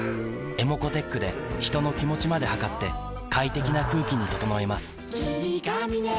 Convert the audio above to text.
ｅｍｏｃｏーｔｅｃｈで人の気持ちまで測って快適な空気に整えます